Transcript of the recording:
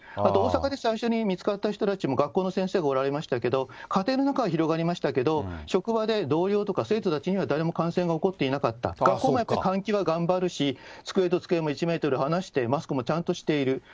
あと大阪で最初に見つかった人たちの、学校の先生がおられましたけど、家庭の中は広がりましたけど、職場で同僚とか生徒たちには誰も感染が起こっていなかった、学校もやっぱり換気は頑張るし、机と机も１メートル離して、マスクもちゃんとしている。